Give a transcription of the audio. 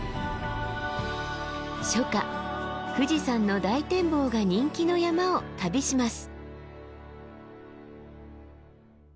初夏富士山の大展望が人気の山を旅します。